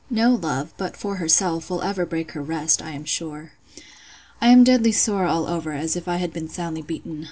No love, but for herself, will ever break her rest, I am sure. I am deadly sore all over, as if I had been soundly beaten.